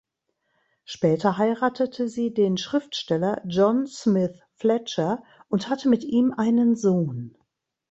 Später heiratete sie den Schriftsteller John Smith Fletcher und hatte mit ihm einen Sohn.